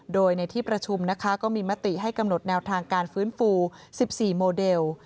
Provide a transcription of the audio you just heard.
โดยในที่ประชุมนะคะก็มีมติให้กำหนดแนวทางการฟื้นฟู๑๔โมเดล